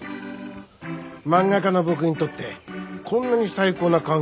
漫画家の僕にとってこんなに最高な環境はないよ。